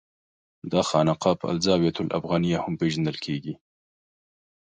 دا خانقاه په الزاویة الافغانیه هم پېژندل کېږي.